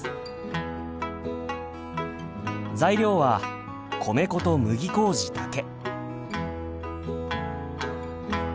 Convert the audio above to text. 材料は米粉と麦麹だけ。